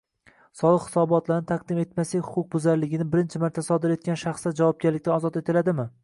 Soliq hisobotlarini taqdim etmaslik huquqbuzarligini birinchi marta sodir etgan shaxslar javobgarlikdan ozod etiladimi?